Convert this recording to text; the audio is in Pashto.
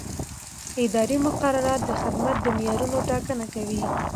اداري مقررات د خدمت د معیارونو ټاکنه کوي.